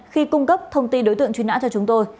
khi cung cấp thông tin đối tượng truy nã cho chúng tôi